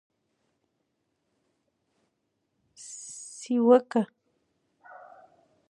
سیوکه: